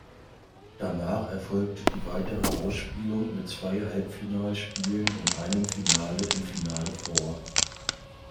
Danach erfolgte die weitere Ausspielung mit zwei Halbfinalspielen und einem Finale im Final Four.